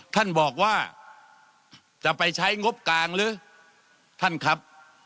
ท่านบอกว่าจะไปใช้งบกลางหรือท่านครับ